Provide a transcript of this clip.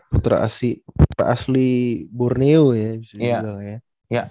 putra asli borneo ya bisa dibilang ya